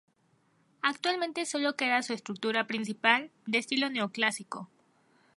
Actualmente sólo queda su estructura principal, de estilo neoclásico.